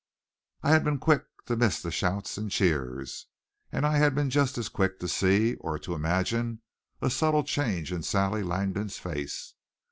I had been quick to miss the shouts and cheers. And I had been just as quick to see, or to imagine, a subtle change in Sally Langdon's face.